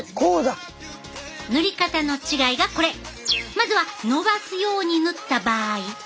まずはのばすように塗った場合。